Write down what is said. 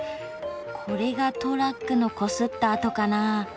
これがトラックのこすった痕かな。